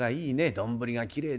丼がきれいで。